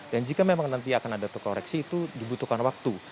dan jika memang nanti akan ada tersangka itu dibutuhkan waktu